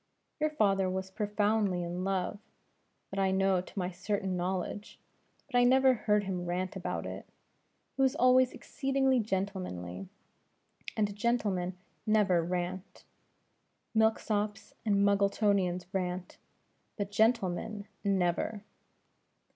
Your father was profoundly in love that I know to my certain knowledge but I never heard him rant about it. He was always exceedingly gentlemanly: and gentlemen never rant. Milk sops and Muggletonians rant, but gentlemen never."